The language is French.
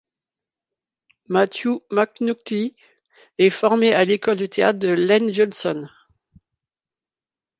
Matthew McNulty est formé à l’école de théâtre Laine Johnson.